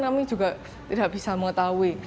kami juga tidak bisa mengetahui